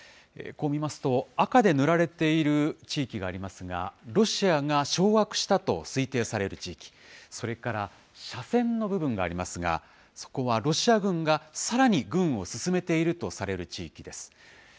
こう見ますと、赤で塗られている地域がありますが、ロシアが掌握したと推定される地域、それから斜線の部分がありますが、そこはロシア軍がさらに軍を進めているとされる地域です。